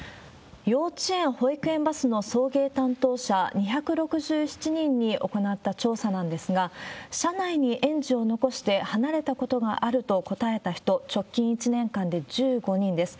幼稚園・保育園バスの送迎担当者２６７人に行った調査なんですが、車内に園児を残して離れたことがあると答えた人、直近１年間で１５人です。